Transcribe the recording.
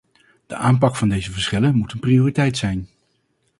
De aanpak van deze verschillen moet een prioriteit zijn.